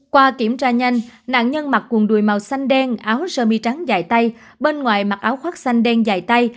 qua kiểm tra nhanh nạn nhân mặc quần đùi màu xanh đen áo sơ mi trắng dài tay bên ngoài mặc áo khoác xanh đen dài tay